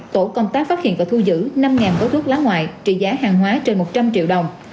tổ công tác phát hiện và thu giữ năm gói thuốc lá ngoại trị giá hàng hóa trên một trăm linh triệu đồng